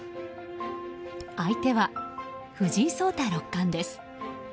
相手は藤井聡太六冠です。